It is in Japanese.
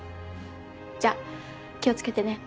じゃあ気を付けてね。